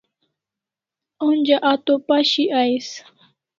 Onja a to pashi ais